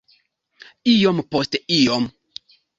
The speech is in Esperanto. Iom post iom.